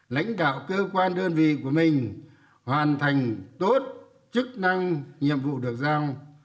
lãnh đạo cơ quan đơn vị của mình hoàn thành tốt chức năng nhiệm vụ được giao